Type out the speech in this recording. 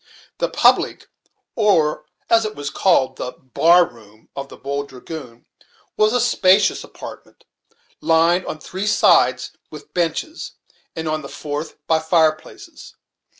The public, or as it was called, the "bar room," of the "Bold Dragoon," was a spacious apartment, lined on three sides with benches and on the fourth by fireplaces.